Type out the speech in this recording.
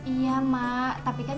iya mak tapi kan